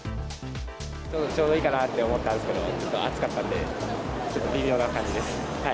ちょうどいいかなって思ってたんですけど、ちょっと暑かったんで、ちょっと微妙な感じです。